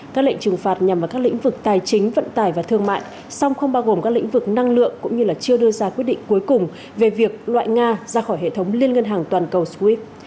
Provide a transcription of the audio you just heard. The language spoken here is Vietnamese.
các lệnh trừng phạt nhằm vào các lĩnh vực tài chính vận tải và thương mại song không bao gồm các lĩnh vực năng lượng cũng như chưa đưa ra quyết định cuối cùng về việc loại nga ra khỏi hệ thống liên ngân hàng toàn cầu skrip